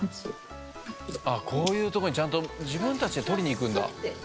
あっこういうとこにちゃんとじぶんたちでとりにいくんだ。